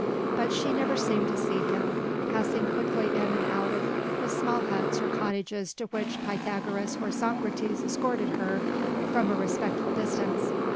But she never seemed to see him, passing quickly in and out of the small huts or cottages to which Pythagoras or Socrates escorted her from a respectful distance.